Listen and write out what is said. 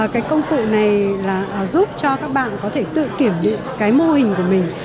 cái công cụ này là giúp cho các bạn có thể tự kiểm định cái mô hình của mình